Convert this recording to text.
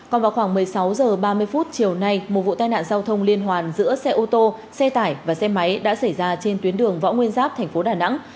còn vào khoảng một mươi sáu h ba mươi phút chiều nay một vụ tai nạn giao thông liên hoàn giữa xe ô tô xe tải và xe máy đã xảy ra trên tuyến đường võ nguyên giáp thành phố đà nẵng